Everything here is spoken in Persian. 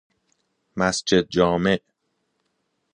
مسجدجامع